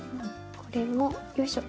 これもよいしょ。